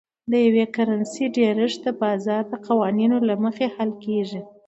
د یوې کرنسۍ ډېرښت د بازار د قوانینو له مخې حل کیږي.